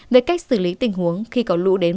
về cách xử lý tình huống khi có lũ đến